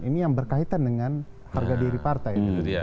ini yang berkaitan dengan harga diri partai